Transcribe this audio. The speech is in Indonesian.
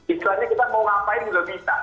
istilahnya kita mau ngapain juga bisa